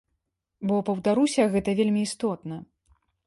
Бо, паўтаруся, гэта вельмі істотна.